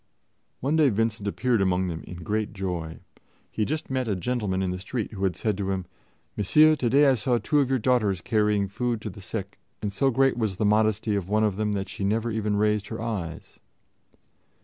One day Vincent appeared among them in great joy. He had just met a gentleman in the street, who had said to him, "Monsieur, today I saw two of your daughters carrying food to the sick, and so great was the modesty of one of them that she never even raised her eyes."